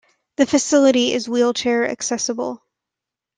The facility is wheelchair accessible.